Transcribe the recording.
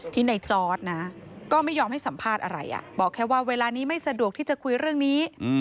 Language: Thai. ที่ในจอร์ดนะก็ไม่ยอมให้สัมภาษณ์อะไรบอกแค่ว่าเวลานี้ไม่สะดวกที่จะคุยเรื่องนี้